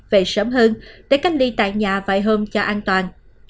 về sớm hơn để cách ly tại nhà vài hôm cho an toàn